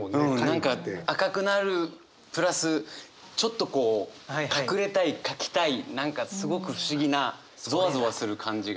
何か赤くなるプラスちょっとこう隠れたいかきたい何かすごく不思議なゾワゾワする感じが。